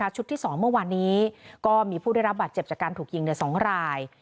ชุดที่๒เมื่อวานนี้ก็มีผู้ได้รับบาดเจ็บจากการถูกยิง๒ราย